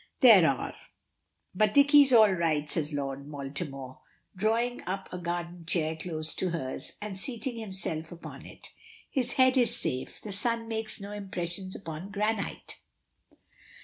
"There are. But Dicky's all right," says Lord Baltimore, drawing up a garden chair close to hers, and seating himself upon it. "His head is safe. The sun makes no impression upon granite!"